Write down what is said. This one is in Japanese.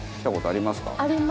あります。